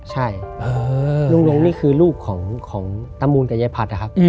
ใช่ลุงลงนี่คือลูกของตามูลกับยายพัดนะครับ